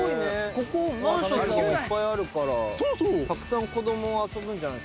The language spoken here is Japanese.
ここマンションがいっぱいあるからたくさん子供遊ぶんじゃない？